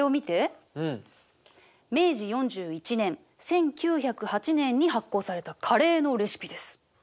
明治４１年１９０８年に発行されたカレーのレシピです。